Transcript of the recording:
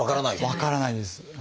分からないです。